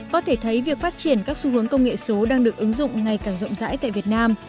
có thể thấy việc phát triển các xu hướng công nghệ số đang được ứng dụng ngày càng rộng rãi tại việt nam